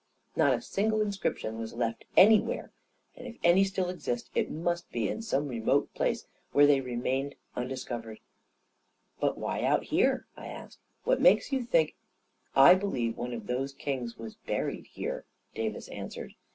Not a single inscription was left any where; and if any still exist, it must be in some re mote place where they remained undiscovered ..." 14 But why out here ?" I asked. " What makes you think ..."" I believe one of those kings was buried here/' A KING IN BABYLON 129 Davis answered.